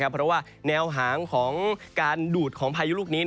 เพราะว่าแนวหางของการดูดของพายุลูกนี้